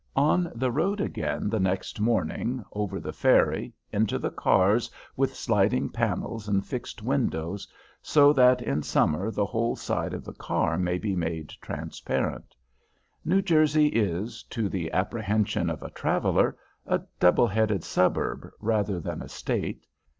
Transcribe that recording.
On the road again the next morning, over the ferry, into the cars with sliding panels and fixed windows, so that in summer the whole side of the car may be made transparent. New Jersey is, to the apprehension of a traveller, a double headed suburb rather than a State.